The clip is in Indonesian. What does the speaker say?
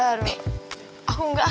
eh gue gak minum enggak